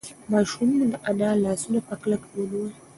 ماشوم د انا لاسونه په کلکه ونیول.